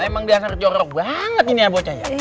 emang dasar jorok banget ini ya bocah ya